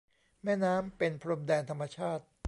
แม่น้ำเป็นพรมแดนธรรมชาติ